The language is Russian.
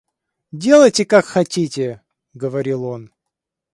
Делайте, как хотите, — говорил он.